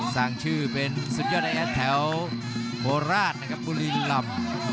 สร้างชื่อเป็นสุดยอดไอแอดแถวโคราชนะครับบุรีลำ